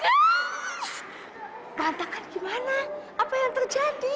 berantakan gimana apa yang terjadi